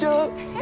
え？